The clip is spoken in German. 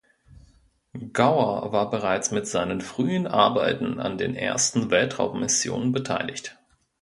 Gauer war bereits mit seinen frühen Arbeiten an den ersten Weltraummissionen beteiligt.